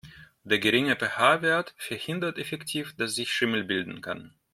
Der geringe PH-Wert verhindert effektiv, dass sich Schimmel bilden kann.